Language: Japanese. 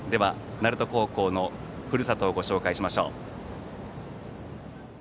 鳴門高校のふるさとをご紹介しましょう。